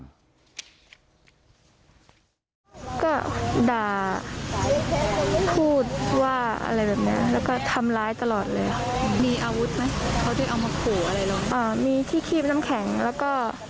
ก็ด่าพูดว่าอะไรแบบนี้แล้วก็ทำร้ายตลอดเลย